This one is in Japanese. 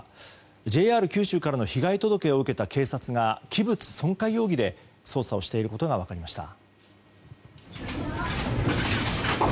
ＪＲ九州からの被害届を受けた警察が器物破損容疑で捜査をしていることが分かりました。